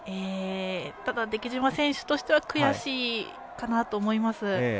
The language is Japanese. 出来島選手としては悔しいかなと思います。